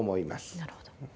なるほど。